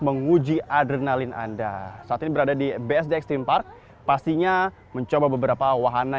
menguji adrenalin anda saat ini berada di bsd extreme park pastinya mencoba beberapa wahana